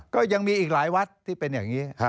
ก็ยังมีอีกหลายวัดที่เป็นอย่างนี้